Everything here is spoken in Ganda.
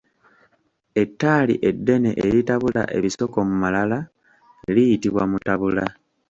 Ettaali eddene eritabula ebisoko mu malala liyitibwa mutabula.